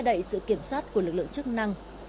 các đối tượng sẽ được kiểm soát của lực lượng chức năng